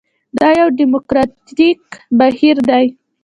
دا یو ډیموکراټیک بهیر دی.